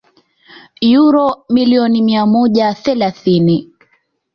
uro milioni mia moja thelathini